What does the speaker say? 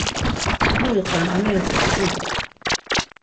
Mu iqven ameris mçvit.